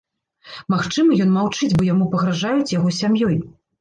Магчыма, ён маўчыць, бо яму пагражаюць яго сям'ёй.